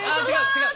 違う！